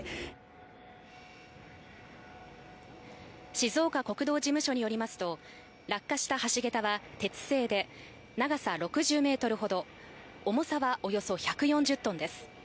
静岡国道事務所によりますと、落下した橋桁は鉄製で、長さ６０ｍほど重さはおよそ１４０ｔです。